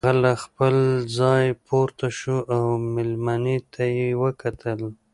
هغه له خپله ځايه پورته شو او مېلمنې ته يې وکتل.